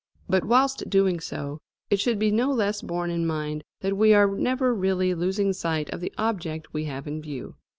But whilst doing so it should be no less borne in mind that we are never really losing sight of the object we have in view.